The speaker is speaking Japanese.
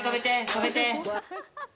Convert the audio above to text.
止めて！